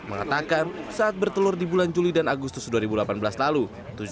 mengatakan saat bertelur di bulan juli dan agustus dua ribu delapan belas lalu